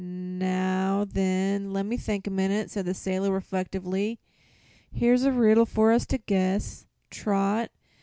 "Now, then, lemme think a minute," said the sailor, reflectively. "Here's a riddle for us to guess, Trot.